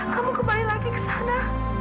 kamu kembali lagi ke sana